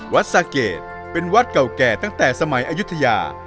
วัดสะเกดเป็นวัดเก่าแก่ตั้งแต่สมัยอายุทยา